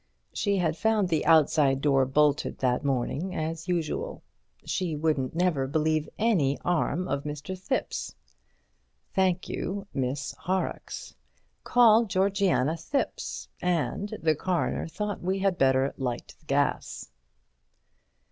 She had found the outside door bolted that morning as usual. She wouldn't never believe any 'arm of Mr. Thipps. Thank you, Miss Horrocks. Call Georgiana Thipps, and the Coroner thought we had better light the gas.